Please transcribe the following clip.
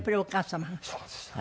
そうです。